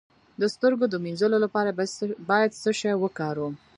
د سترګو د مینځلو لپاره باید څه شی وکاروم؟